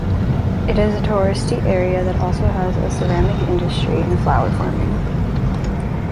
It is a touristy area that also has a ceramic industry and flower farming.